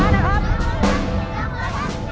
๓นุ่ม๓ซ่า๔ฟ้านะครับ